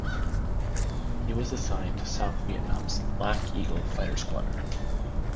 He was assigned to South Vietnam's "Black Eagle" Fighter Squadron.